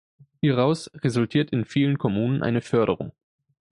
Hieraus resultiert in vielen Kommunen eine Förderung.